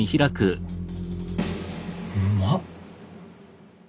うまっ！